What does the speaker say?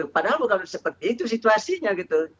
padahal bukan seperti itu situasinya gitu